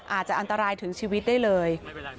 อาจจะอันตรายถึงชีวิตได้เลย